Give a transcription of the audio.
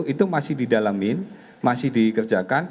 itu masih didalamin masih dikerjakan